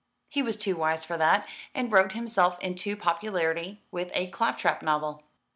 He was too wise for that, and wrote himself into popularity with a claptrap novel."